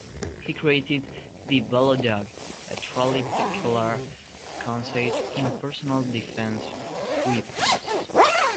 He created the Velo-dog, a truly peculiar conceit in personal defence weapons.